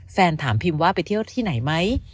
แฟนถามพิมว่าไปเที่ยวที่ไหนไหม